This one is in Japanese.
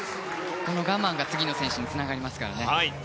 我慢が次の選手につながりますからね。